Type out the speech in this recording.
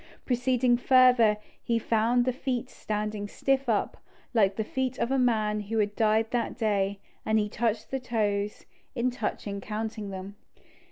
Proceeding further, he found the feet standing stiff up, like the feet of a man who had died that day, and he touched the toes, and in touching counted them.